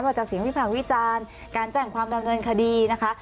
ก็จากศิษย์วิทยาลัยภาควิจารณ์การแจ่งความดำเนินคดีนะคะ